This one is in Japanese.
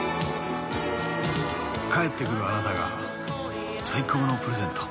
帰ってくるあなたが最高のプレゼント。